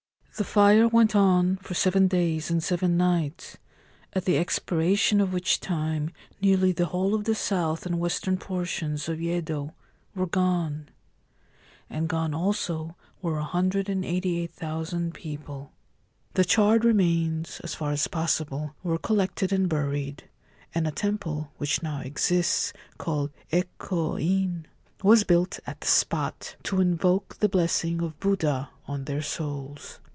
The fire went on for seven days and seven nights, at the expiration of which time nearly the whole of the south and western portions of Yedo were gone ; and gone also were 188,000 people. The charred remains (as far as possible) were collected and buried, and a temple (which now exists), called 4 Eko In,' was built at the spot, to invoke the blessing of Buddha on their souls.